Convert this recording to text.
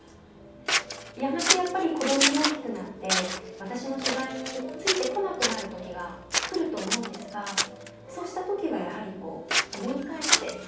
やがてやっぱり子供も大きくなって私の取材についてこなくなる時が来ると思うんですがそうした時はやはりこう思い返してほしいなと思いますね。